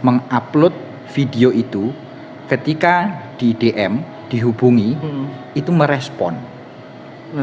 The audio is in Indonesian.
mengupload video itu ketika buildingm dihubungi itu merespon kenapa ini kenapa kawan kawan enggak